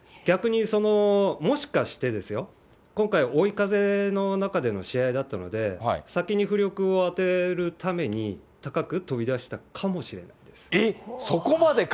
逆に、もしかしてですよ、今回、追い風の中での試合だったので、先に浮力を当てるために高く飛び出したかもしれないです。